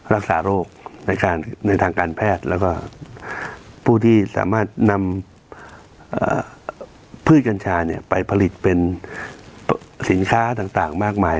รักษาโรคในทางการแพทย์แล้วก็ผู้ที่สามารถนำพืชกัญชาไปผลิตเป็นสินค้าต่างมากมาย